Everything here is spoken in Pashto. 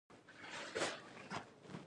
چې په افغانستان کښې يې جهاد کاوه.